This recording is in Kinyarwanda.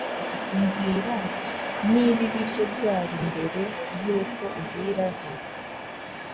Mbwira, niba ibiryo byari mbere yuko uhiraho